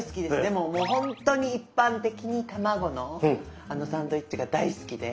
もうほんとに一般的に卵のあのサンドイッチが大好きで。